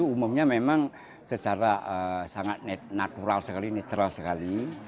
umumnya memang secara sangat natural sekali